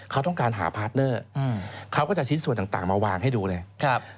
เขาต้องการหาพาร์ทเนอร์เขาก็จะชิ้นส่วนต่างมาวางให้ดูเลย